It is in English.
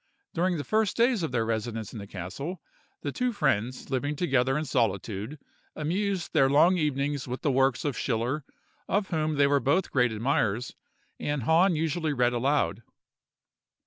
During the first days of their residence in the castle, the two friends, living together in solitude, amused their long evenings with the works of Schiller, of whom they were both great admirers; and Hahn usually read aloud.